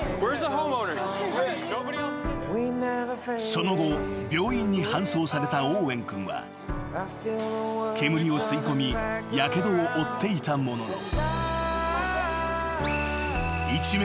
［その後病院に搬送されたオーウェン君は煙を吸い込みやけどを負っていたものの］